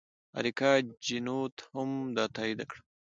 اریکا چینوت هم دا تایید کړه.